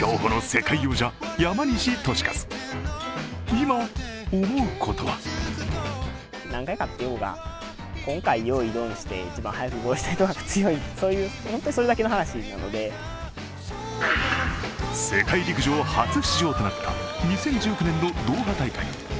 今、思うことは世界陸上初出場となった２０１９年のドーハ大会。